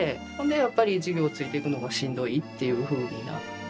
やっぱり授業ついていくのがしんどいっていうふうになって。